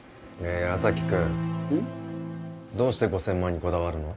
え矢崎君うん？どうして５０００万にこだわるの？